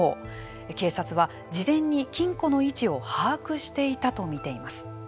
警察は、事前に金庫の位置を把握していたとみています。